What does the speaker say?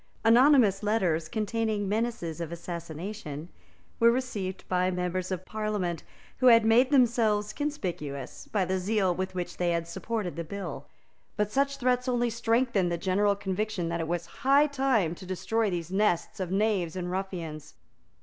Anonymous letters, containing menaces of assassination, were received by members of Parliament who had made themselves conspicuous by the zeal with which they had supported the bill; but such threats only strengthened the general conviction that it was high time to destroy these nests of knaves and ruffians.